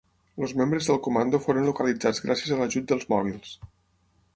Els membres del comando foren localitzats gràcies a l'ajut dels mòbils.